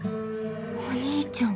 お兄ちゃん。